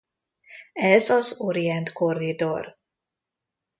Ez az Orient Korridor.